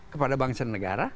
kepada bangsa negara